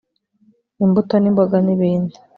imbuto ni mboga nibindi